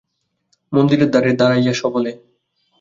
মন্দিরের দ্বারে দাড়াইয়া সবলে।